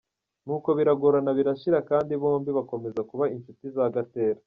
Nuko barigorora birashira kandi bombi bakomeza kuba inshuti za Gatera.